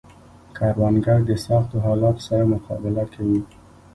کروندګر د سختو حالاتو سره مقابله کوي